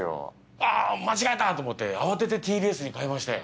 あ間違えた！と思って慌ててＴＢＳに変えましたよ。